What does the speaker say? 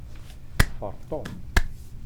Ḍfer Tom.